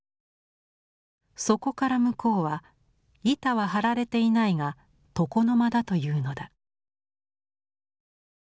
そこから向こうは板は張られていないが床の間だというのだ。